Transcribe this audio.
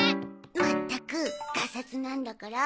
まったくがさつなんだから。